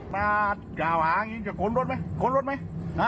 หน้าแก่วมันเขาหาจะครดละไหม